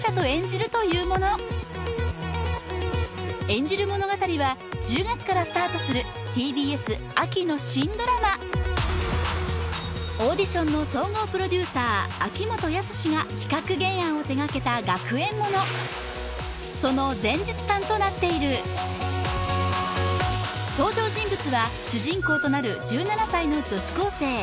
演じる物語は１０月からスタートするＴＢＳ秋の新ドラマオーディションの総合プロデューサー秋元康が企画・原案を手掛けた学園ものその前日譚となっている登場人物は主人公となる１７歳の女子高生